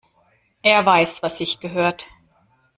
Er weiß, was sich gehört.